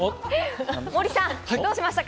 モーリーさん、どうしましたか？